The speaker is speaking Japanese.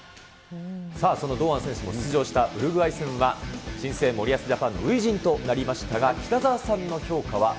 さあ、その堂安選手も出場したウルグアイ戦は、新生森保ジャパン初陣となりましたが、北澤さ